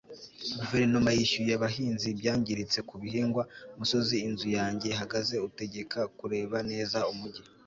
guverinoma yishyuye abahinzi ibyangiritse ku bihingwa. umusozi inzu yanjye ihagaze utegeka kureba neza umujyi